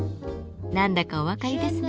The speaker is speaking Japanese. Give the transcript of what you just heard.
何だかお分かりですね。